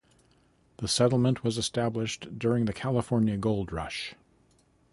The settlement was established during the California Gold Rush.